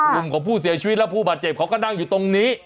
กลุ่มของผู้เสียชีวิตและผู้บาดเจ็บเขาก็นั่งอยู่ตรงนี้